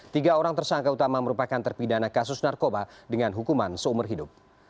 tiga orang tersangka utama merupakan terpidana kasus narkoba dengan hukuman seumur hidup